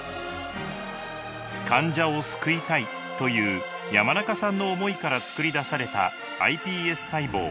患者を救いたいという山中さんの思いからつくり出されたｉＰＳ細胞。